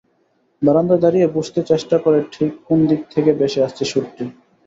বারান্দায় দাঁড়িয়ে বুঝতে চেষ্টা করে ঠিক কোন দিক থেকে ভেসে আসছে সুরটি।